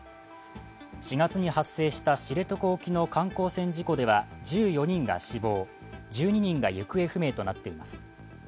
４月に発生した知床半島沖の観光船事故では１４人が死亡、１２人が行方不明となっています。